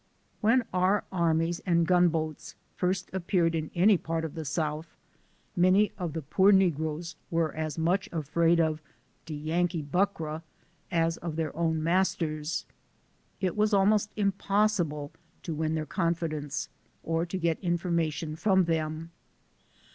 S When our armies and gun boats first appeared in any part of the South, many of the poor negroes were as much afraid of " de Yankee Buckra " as of LIFE OF HAKRIET TUBMAN. 39 their own masters. It was almost impossible to win their confidence, or to get information from them.